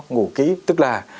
ngủ kĩ tức là